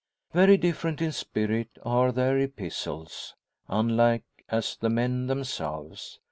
Very different in spirit are their epistles, unlike as the men themselves.